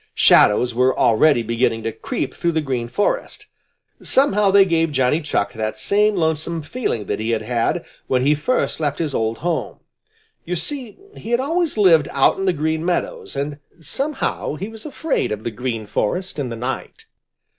Shadows were already beginning to creep through the Green Forest. Somehow they gave Johnny Chuck that same lonesome feeling that he had had when he first left his old home. You see he had always lived out in the Green Meadows and somehow he was afraid of the Green Forest in the night.